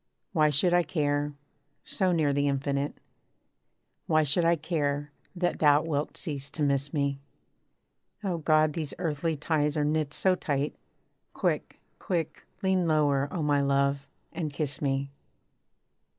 Why should I care, so near the Infinite Why should I care, that thou wilt cease to miss me? O God! these earthly ties are knit so tight Quick, quick, lean lower, O my love, and kiss me!